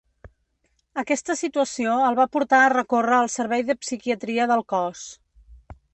Aquesta situació el va portar a recórrer al servei de psiquiatria del cos.